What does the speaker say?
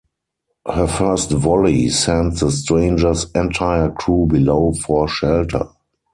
Her first volley sent the stranger's entire crew below for shelter.